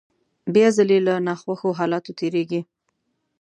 بيا ځلې له ناخوښو حالاتو تېرېږي.